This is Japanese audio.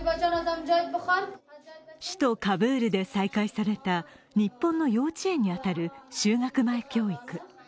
首都カブールで開催された日本の幼稚園にあたる就学前教育。